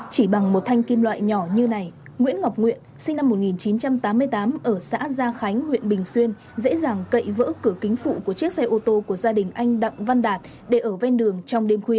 chỉ bằng một thanh kim loại nhỏ như này nguyễn ngọc nguyện sinh năm một nghìn chín trăm tám mươi tám ở xã gia khánh huyện bình xuyên dễ dàng cậy vỡ cửa kính phụ của chiếc xe ô tô của gia đình anh đặng văn đạt để ở ven đường trong đêm khuya